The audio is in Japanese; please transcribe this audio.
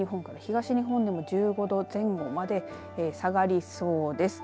西日本から東日本でも１５度前後まで下がりそうです。